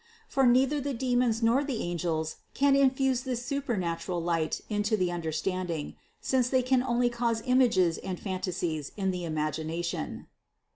For neither the demons nor the angels can infuse this supernatural light into the understanding, since they can only cause images and phantasies in the imagination.